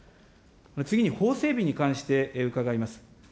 次に法整備に関して伺います。